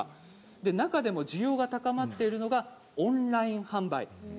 中でも需要が高まっているのがオンライン販売です。